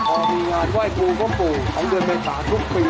พอมีงานไหว้ปู่พบูของเงินเมษาทุกปี